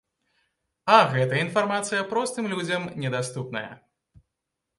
А гэтая інфармацыя простым людзям недаступная.